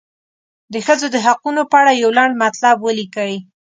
د ښځو د حقونو په اړه یو لنډ مطلب ولیکئ.